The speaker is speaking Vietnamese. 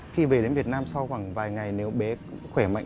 khi về đến việt nam sau khoảng vài ngày nếu bé khỏe mạnh